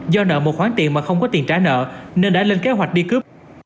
do nợ một khoản tiền mà không có tiền trả nợ nên đã lên kế hoạch đi cướp